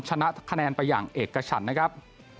ชนะคะแนนไปอย่างเอกฉันนะครับ